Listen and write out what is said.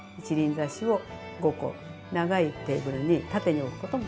挿しを５個長いテーブルに縦に置くことも。